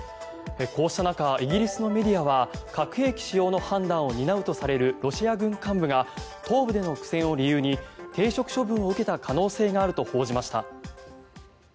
こうした中イギリスのメディアは核兵器使用の判断を担うとされるロシア軍幹部が東部での苦戦を理由に停職処分を受けた可能性があると報じました。